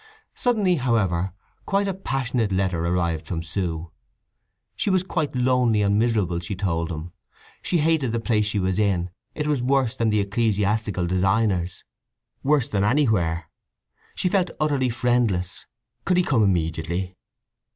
Suddenly, however, quite a passionate letter arrived from Sue. She was quite lonely and miserable, she told him. She hated the place she was in; it was worse than the ecclesiastical designer's; worse than anywhere. She felt utterly friendless; could he come immediately?